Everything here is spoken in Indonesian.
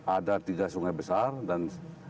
ada tiga sungai besar dan